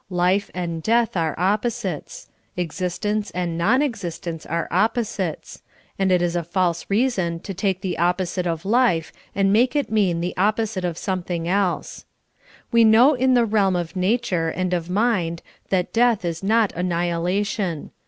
Life and death are opposites ; existence and non existence are opposites ; and it is false reason to take the oppo site of life and make it mean the opposite of something else. We know in the realm of nature and of mind, that death is not annihilation.